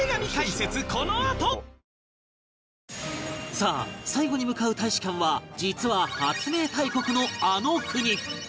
さあ最後に向かう大使館は実は発明大国のあの国